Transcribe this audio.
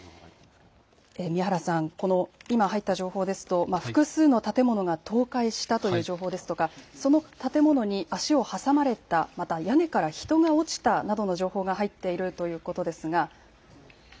宮原さん、今入った情報ですと複数の建物が倒壊したという情報ですとか、その建物に足を挟まれた、また屋根から人が落ちたなどの情報が入っているということですが。